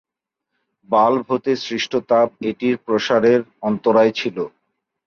Bulb হতে সৃষ্ট তাপ এটির প্রসারের অন্তরায় ছিল।